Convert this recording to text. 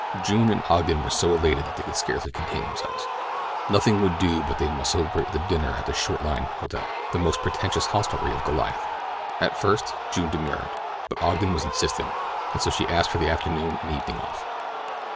June and Ogden were so elated they could scarcely contain themselves. Nothing would do but that they must celebrate with a dinner at the Short Line Hotel—the most pretentious hostelry of Goliath. At first June demurred, but Ogden was insistent, and so she asked for the afternoon and evening off.